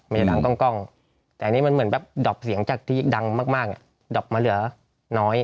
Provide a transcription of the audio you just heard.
จะดังกล้องแต่อันนี้มันเหมือนแบบดอบเสียงจากที่ดังมากดอบมาเหลือน้อย